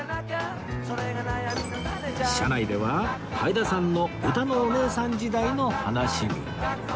車内でははいださんのうたのおねえさん時代の話に